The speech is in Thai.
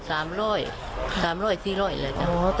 สามร้อยสามร้อยสี่ร้อยเลยจ้ะ